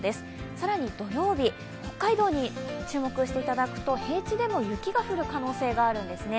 更に土曜日、北海道に注目していただくと平地でも雪が降る可能性があるんですね。